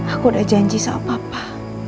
aku ada janji sama papa